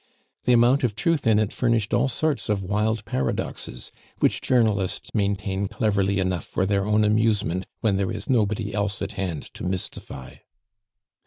The amount of truth in it furnished all sorts of wild paradoxes, which journalists maintain cleverly enough for their own amusement when there is nobody else at hand to mystify.